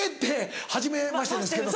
「はじめましてですけど」。